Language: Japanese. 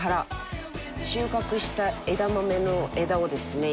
収穫した枝豆の枝をですね